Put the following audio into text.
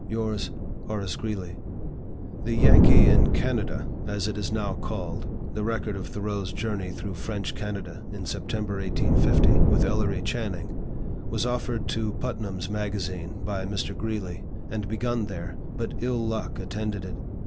"Yours, "HORACE GREELEY." The "Yankee in Canada," as it is now called (the record of Thoreau's journey through French Canada in September, 1850, with Ellery Channing), was offered to "Putnam's Magazine" by Mr. Greeley, and begun there, but ill luck attended it.